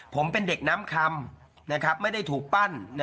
ผมเป็นเด็กน้ำคำไม่ได้ถูกปั้น